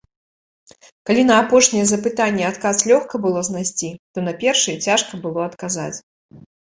Калі на апошняе запытанне адказ лёгка было знайсці, то на першыя цяжка было адказаць.